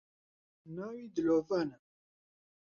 ناوی دلۆڤانە